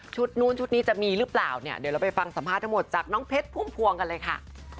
นู้นชุดนี้จะมีหรือเปล่าเนี่ยเดี๋ยวเราไปฟังสัมภาษณ์ทั้งหมดจากน้องเพชรพุ่มพวงกันเลยค่ะ